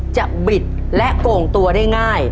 บิดและโก่งตัวได้ง่าย